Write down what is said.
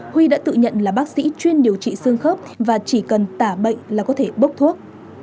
huy đã tự nhận là bác sĩ chuyên điều trị xương khớp và chỉ cần tả bệnh là có thể bốc thuốc